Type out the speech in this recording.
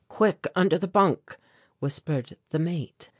"Quick, under the bunk," whispered the mate.